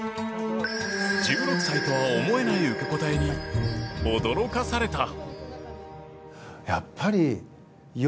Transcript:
１６歳とは思えない受け答えに驚かされた。